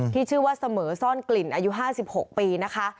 ที่ชื่อว่าเสมอซ่อนกลิ่นอายุ๕๖ปีนะคะ